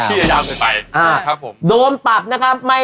พี่ยัยยามเกิดไป